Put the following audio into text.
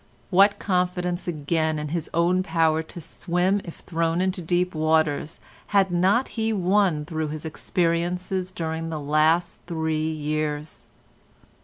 What confidence again in his own power to swim if thrown into deep waters had not he won through his experiences during the last three years!